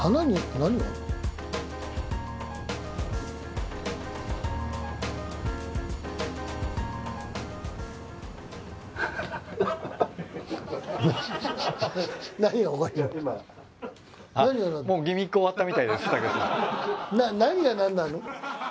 何が何なの？